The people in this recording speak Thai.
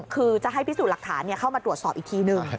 คือจะให้พิสูจน์หลักฐานเข้ามาตรวจสอบอีกทีหนึ่ง